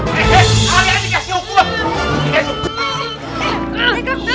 jangan dikenain dulu